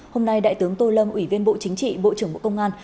hôm nay đại tướng tô lâm ủy viên bộ chính trị bộ trưởng bộ công an